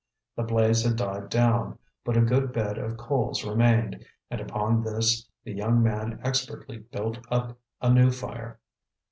The blaze had died down, but a good bed of coals remained; and upon this the young man expertly built up a new fire.